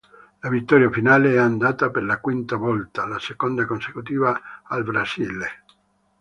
La vittoria finale è andata per la quinta volta, la seconda consecutiva, al Brasile.